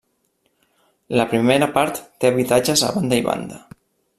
La primera part té habitatges a banda i banda.